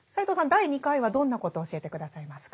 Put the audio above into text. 第２回はどんなことを教えて下さいますか？